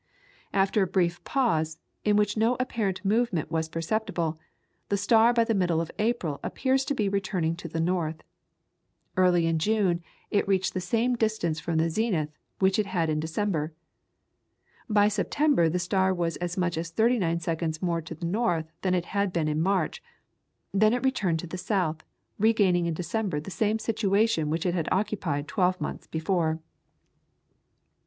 After a brief pause, in which no apparent movement was perceptible, the star by the middle of April appeared to be returning to the north. Early in June it reached the same distance from the zenith which it had in December. By September the star was as much as thirty nine seconds more to the north than it had been in March, then it returned towards the south, regaining in December the same situation which it had occupied twelve months before.